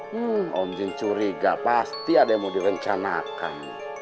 hmm om jin curiga pasti ada yang mau direncanakan